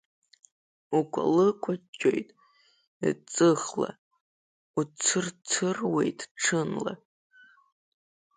Укәалы-кәаџьоит ҵыхла, уцырцыруеит ҽынла.